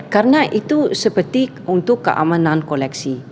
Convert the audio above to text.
karena itu seperti untuk keamanan koleksi